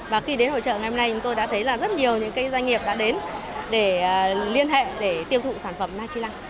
và khi đến hội trợ ngày hôm nay tôi đã thấy là rất nhiều những doanh nghiệp đã đến để liên hệ để tiêu thụ sản phẩm trị lăng